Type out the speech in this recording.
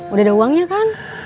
udah ada uangnya kan